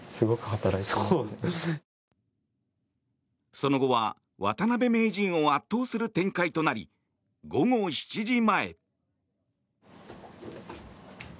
その後は渡辺名人を圧倒する展開となり午後７時前。